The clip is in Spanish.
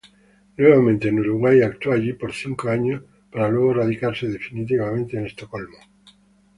Nuevamente en Uruguay, actúa allí por cinco años para luego radicarse definitivamente en Estocolmo.